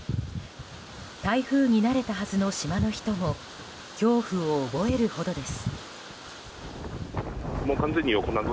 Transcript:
台風に慣れたはずの島の人も恐怖を覚えるほどです。